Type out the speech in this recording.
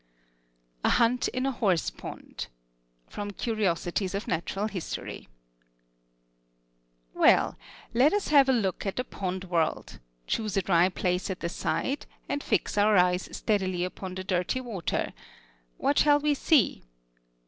A HUNT IN A HORSE POND From 'Curiosities of Natural History' Well, let us have a look at the pond world; choose a dry place at the side, and fix our eyes steadily upon the dirty water: what shall we see?